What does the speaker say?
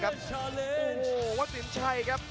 โอโหวัสิงชัยครับ